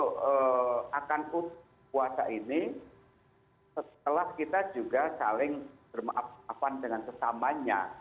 oleh karena itu akan kuasa ini setelah kita juga saling bermaafkan dengan sesamanya